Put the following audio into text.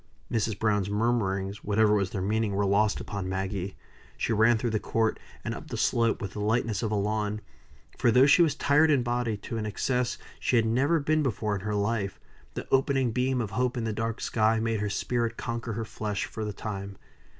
Mrs. Browne's murmurings, whatever was their meaning, were lost upon Maggie. She ran through the court, and up the slope, with the lightness of a lawn; for though she was tired in body to an excess she had never been before in her life, the opening beam of hope in the dark sky made her spirit conquer her flesh for the time.